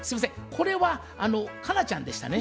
これは佳奈ちゃんでしたね。